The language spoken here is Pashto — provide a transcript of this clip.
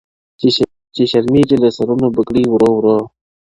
چي شرمېږي له سرونو بګړۍ ورو ورو-